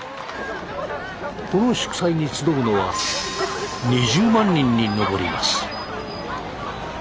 この祝祭に集うのは２０万人に上ります。